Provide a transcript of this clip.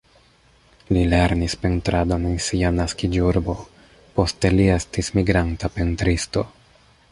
Li lernis pentradon en sia naskiĝurbo, poste li estis migranta pentristo.